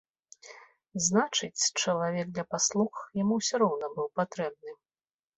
Значыць, чалавек для паслуг яму ўсё роўна быў патрэбны.